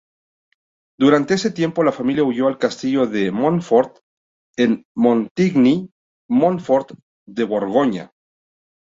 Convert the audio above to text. Durante ese tiempo la Familia huyó al Castillo de Montfort en Montigny-Montfort, de Borgoña.